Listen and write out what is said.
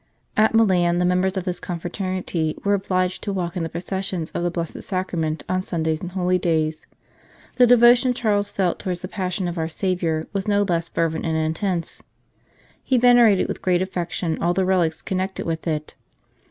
At Milan the members of this confraternity were obliged to walk in the processions of the Blessed Sacrament on Sundays and holidays. The devotion Charles felt towards the Passion of our Saviour was no less fervent and intense. He venerated with great affection all the relics connected with it.